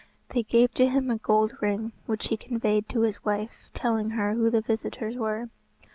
They gave to him a gold ring, which he conveyed to his wife, telling her who the visitors were.